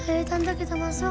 eh tante kita masuk